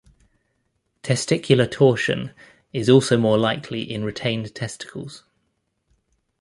Testicular torsion is also more likely in retained testicles.